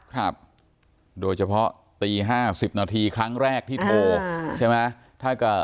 ครับโดยเฉพาะตีห้าสิบนาทีครั้งแรกที่โทรใช่ไหม